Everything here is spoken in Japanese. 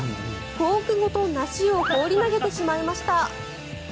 フォークごと梨を放り投げてしまいました。